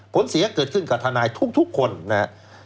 ผลเสียหาเกิดขึ้นกับธนายทุกคนนะ